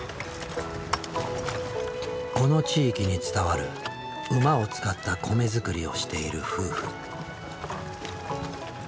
この地域に伝わる馬を使った米づくりをしている夫婦。